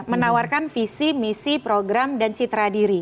menawarkan visi misi program dan citra diri